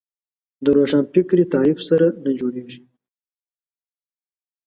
د روښانفکري تعریف سره نه جوړېږي